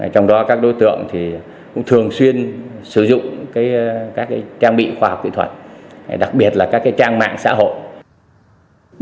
trong đó các đối tượng cũng thường xuyên sử dụng các trang bị khoa học kỹ thuật đặc biệt là các trang mạng xã hội